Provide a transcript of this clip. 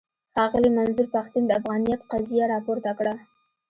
ښاغلي منظور پښتين د افغانيت قضيه راپورته کړه.